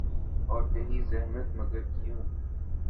اور کہیں زحمت ، مگر کیوں ۔